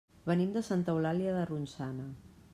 Venim de Santa Eulàlia de Ronçana.